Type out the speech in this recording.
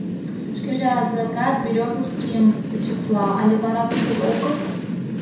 Шкеже адакат Березовскийым тӱсла: але вара тудо огыл?